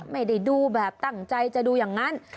ไม่ได้ดูแบบตั้งใจจะดูอย่างนั้น